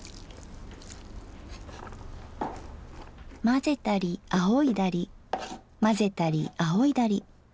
混ぜたりあおいだり混ぜたりあおいだり。